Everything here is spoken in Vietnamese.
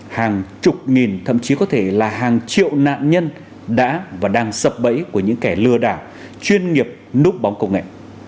hàng chục nghìn thậm chí có thể là hàng triệu nạn nhân đã và đang sập bẫy của những kẻ lừa đảo chuyên nghiệp núp bóng công nghệ